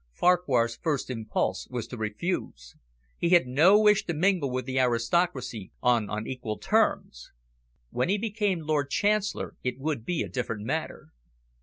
Farquhar's first impulse was to refuse. He had no wish to mingle with the aristocracy on unequal terms. When he became Lord Chancellor, it would be a different matter.